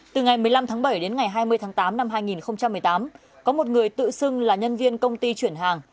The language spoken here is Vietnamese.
từ ngày một mươi năm tháng bảy đến ngày hai mươi tháng tám năm hai nghìn một mươi tám có một người tự xưng là nhân viên công ty chuyển hàng